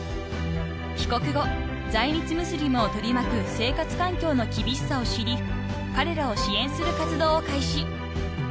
［帰国後在日ムスリムを取り巻く生活環境の厳しさを知り彼らを支援する活動を開始］